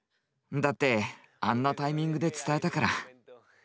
だってあんなタイミングで伝えたから。